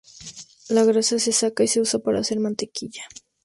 La grasa se saca y se usa para hacer mantequilla.